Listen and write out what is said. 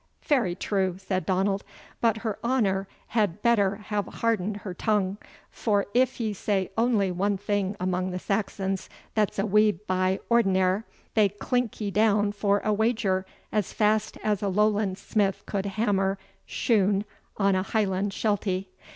"Fary true," said Donald; "but her honour had better hae hauden her tongue: for if ye say ony thing amang the Saxons that's a wee by ordinar, they clink ye down for a wager as fast as a Lowland smith would hammer shoon on a Highland shelty.